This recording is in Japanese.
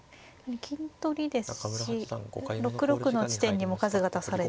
金取りですし６六の地点にも数が足されて。